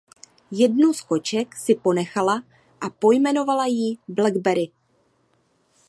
Jednu z koček si ponechala a pojmenovala jí Blackberry.